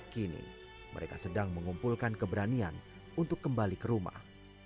kini mereka sedang mengumpulkan keberanian untuk kembali ke rumah